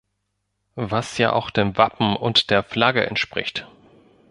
Was ja auch dem Wappen und der Flagge entspricht.